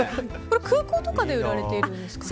空港とかで売られてるんですか？